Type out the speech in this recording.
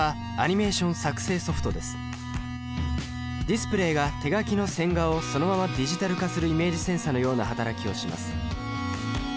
ディスプレイが手描きの線画をそのままディジタル化するイメージセンサのような働きをします。